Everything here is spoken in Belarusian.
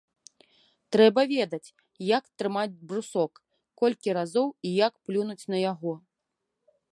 Трэба ведаць, як трымаць брусок, колькі разоў і як плюнуць на яго.